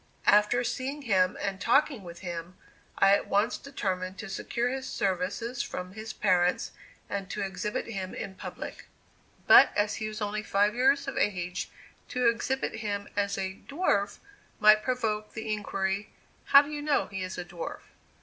After seeing him and talking with him, I at once determined to secure his services from his parents and to exhibit him in public. But as he was only five years of age, to exhibit him as a "dwarf" might provoke the inquiry "How do you know he is a dwarf?"